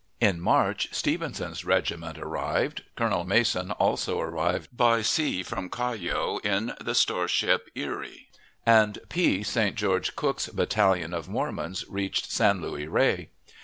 In March Stevenson's regiment arrived. Colonel Mason also arrived by sea from Callao in the store ship Erie, and P. St. George Cooke's battalion of Mormons reached San Luis Rey.